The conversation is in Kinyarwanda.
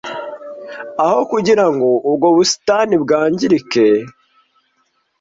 aho kugirango ubwo busitani bwangirike